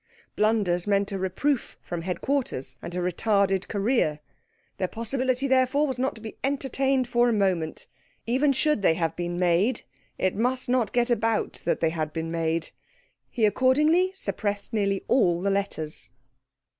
Blunders meant a reproof from headquarters and a retarded career; their possibility, therefore, was not to be entertained for a moment. Even should they have been made, it must not get about that they had been made. He accordingly suppressed nearly all the letters.